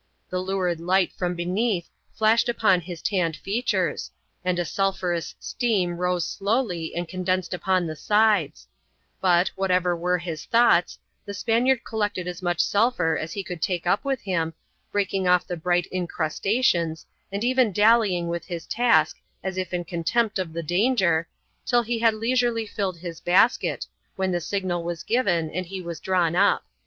The lurid light from beneath flashed upon his tanned features, and a sulphurous steam rose slowly and condensed upon the sides; but, whatever were his thoughts, the Spaniard collected as much sulphur as he could take up with him, breaking off the bright incrustations, and even dallying with his task as if in contempt of the danger, till he had leisurely filed his basket, when the signal was given and he was drawn up.